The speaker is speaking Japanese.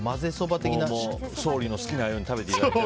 総理の好きなように食べていただいて。